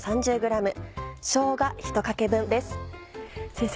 先生